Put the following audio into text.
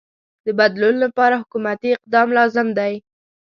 د بدلون لپاره حکومتی اقدام لازم دی.